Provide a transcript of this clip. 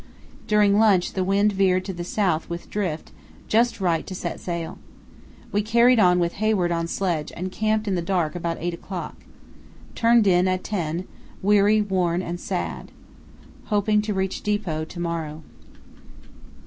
During lunch the wind veered to the south with drift, just right to set sail. We carried on with Hayward on sledge and camped in the dark about 8 o'clock. Turned in at 10, weary, worn, and sad. Hoping to reach depot to morrow.